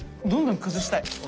どんどん崩したい。